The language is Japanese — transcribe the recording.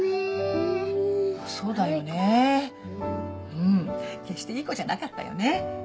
うん決していい子じゃなかったよね。